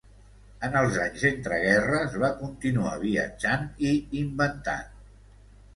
En els anys entre guerres, va continuar viatjant i inventant.